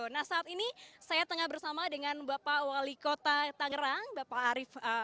nah saat ini saya tengah bersama dengan bapak wali kota tangerang bapak arief